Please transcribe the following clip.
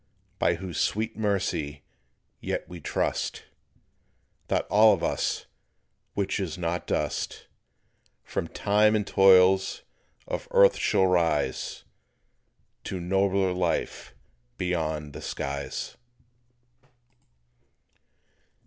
By whose sweet mercy yet we trust That all of us which is not dust, From time and toils of earth shall rise To nobler life beyond the skies.